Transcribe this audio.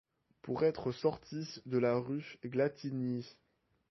Pour être sortie de la rue Glatigny!